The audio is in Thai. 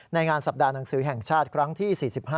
งานสัปดาห์หนังสือแห่งชาติครั้งที่๔๕